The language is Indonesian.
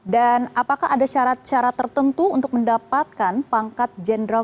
dan apakah ada syarat syarat tertentu untuk mendapatkan pangkat jenderal